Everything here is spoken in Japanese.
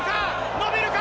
伸びるか？